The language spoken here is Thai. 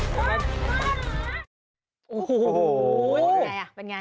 เป็นยังไง